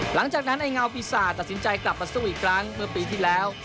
หลังจากนั้นไอ้เงาปีศาจตัดสินใจกลับมาสู้อีกครั้งเมื่อปีที่แล้ว